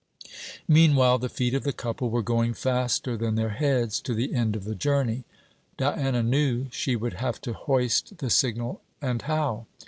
Meanwhile the feet of the couple were going faster than their heads to the end of the journey. Diana knew she would have to hoist the signal and how?